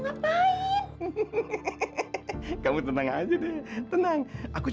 mumpung istri aku lagi di rumah sakit